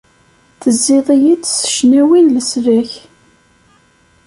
Tezziḍ-iyi-d s ccnawi n leslak.